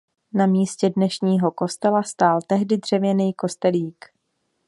Na místě dnešního kostela stál tehdy dřevěný kostelík.